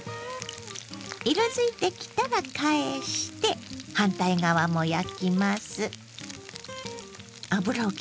色づいてきたら返して反対側も焼きます。